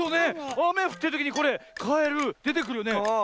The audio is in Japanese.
あめふってるときにこれカエルでてくるよね。